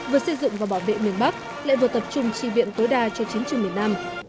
vừa xây dựng và bảo vệ miền bắc lại vừa tập trung tri viện tối đa cho chiến trường miền nam